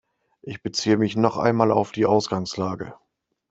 Ich beziehe mich noch einmal auf die Ausgangslage.